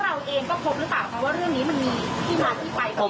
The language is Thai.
เพราะว่าเราเองก็พบรึเปล่าว่าเรื่องนี้มันมีที่มาที่ไป